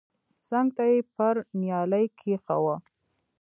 څنگ ته يې پر نيالۍ کښېښوه.